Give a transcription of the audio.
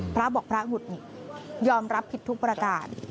พระบอกพระหงุดหงิดยอมรับผิดทุกประการ